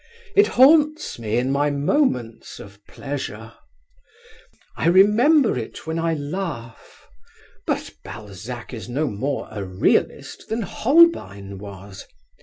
It haunts me in my moments of pleasure. I remember it when I laugh. But Balzac is no more a realist than Holbein was.